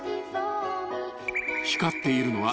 ［光っているのは］